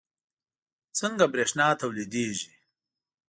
څنګه بریښنا تولیدیږي